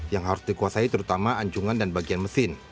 yang harus dikuasai terutama anjungan dan bagian mesin